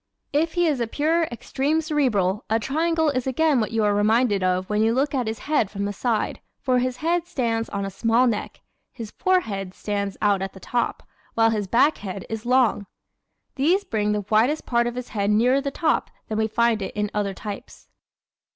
If he is a pure, extreme Cerebral a triangle is again what you are reminded of when you look at his head from the side, for his head stands on a small neck, his forehead stands out at the top, while his back head is long. These bring the widest part of his head nearer the top than we find it in other types.